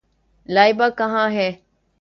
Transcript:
لائبہ کہاں ہے؟